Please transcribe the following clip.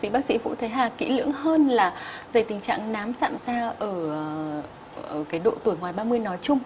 bác sĩ phụ thấy hà kỹ lưỡng hơn là về tình trạng nám sạm xa ở độ tuổi ngoài ba mươi nói chung